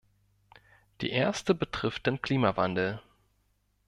Die erste betrifft den Klimawandel.